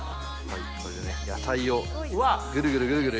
これでね野菜をぐるぐるぐるぐる。